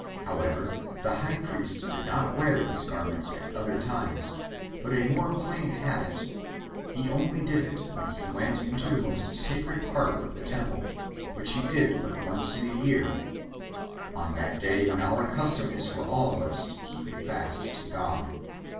However, the high priest did not wear these garments at other times, but a more plain habit; he only did it when he went into the most sacred part of the temple, which he did but once in a year, on that day when our custom is for all of us to keep a fast to God.